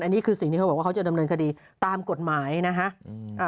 อันนี้คือสิ่งที่เขาบอกว่าเขาจะดำเนินคดีตามกฎหมายนะฮะ